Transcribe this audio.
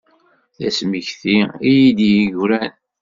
D asmekti-s i yi-d-yegran.